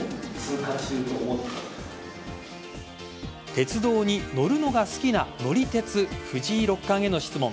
鉄道に乗るのが好きな乗り鉄・藤井六冠への質問。